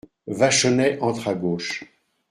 Vachonnet entre à gauche.